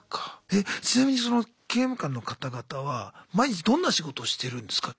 えちなみにその刑務官の方々は毎日どんな仕事をしてるんですか？